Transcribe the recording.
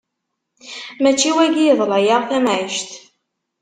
Mačči wagi iḍla-yaɣ tamɛict!